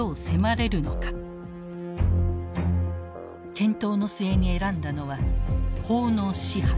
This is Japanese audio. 検討の末に選んだのは「法の支配」。